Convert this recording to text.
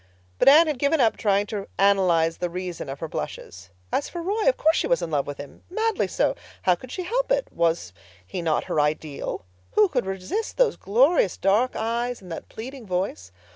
But Anne had given up trying to analyze the reason of her blushes. As for Roy, of course she was in love with him—madly so. How could she help it? Was he not her ideal? Who could resist those glorious dark eyes, and that pleading voice?